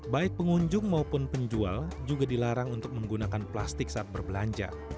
baik pengunjung maupun penjual juga dilarang untuk menggunakan plastik saat berbelanja